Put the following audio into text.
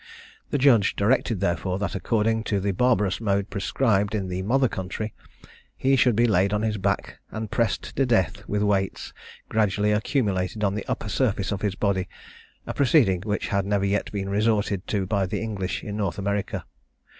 The judge directed, therefore, that according to the barbarous mode prescribed in the mother country, he should be laid on his back, and pressed to death with weights gradually accumulated on the upper surface of his body, a proceeding which had never yet been resorted to by the English in North America.